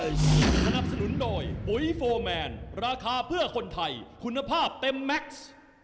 สนับสนุนโดยปุ๋ยโฟร์แมนราคาเพื่อคนไทยคุณภาพเต็มแม็กซ์